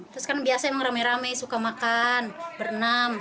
terus kan biasa emang rame rame suka makan berenam